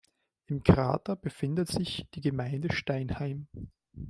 Im Krater befindet sich die Gemeinde Steinheim.